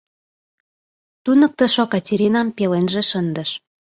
— Туныктышо Катеринам пеленже шындыш.